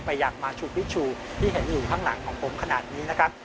อย่างมาชูพิชชูที่เห็นอยู่ข้างหลังของผมขนาดนี้นะครับ